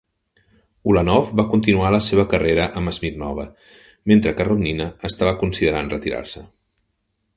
Ulanov va continuar la seva carrera amb Smirnova, mentre que Rodnina estava considerant retirar-se.